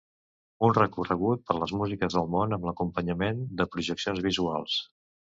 Un recorregut per les músiques del món amb l’acompanyament de projeccions visuals.